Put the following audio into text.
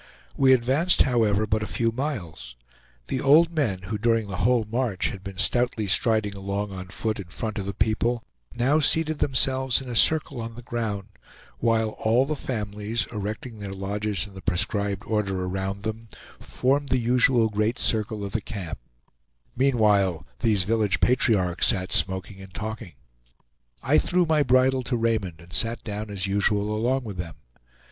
We advanced, however, but a few miles. The old men, who during the whole march had been stoutly striding along on foot in front of the people, now seated themselves in a circle on the ground, while all the families, erecting their lodges in the prescribed order around them, formed the usual great circle of the camp; meanwhile these village patriarchs sat smoking and talking. I threw my bridle to Raymond, and sat down as usual along with them.